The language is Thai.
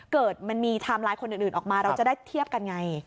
เกิดมันมีไทม์ไลน์คนอื่นออกมาเราจะได้เทียบกันไง